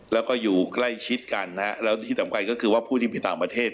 แล้วก็อยู่ใกล้ชิดกันนะฮะแล้วที่สำคัญก็คือว่าผู้ที่มีต่างประเทศ